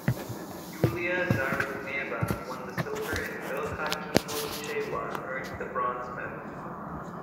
Yuliya Zarudneva won the silver and Milcah Chemos Cheywa earned the bronze medal.